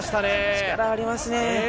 力がありますね。